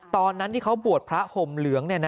ตอนนั้นที่เขาบวชพระห่มเหลือง